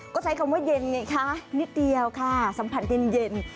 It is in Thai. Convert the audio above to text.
ก็ใช้คำว่าเย็นไงคะนิดเดียวค่ะสัมผัสเย็น